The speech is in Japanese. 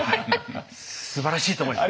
すばらしいと思います！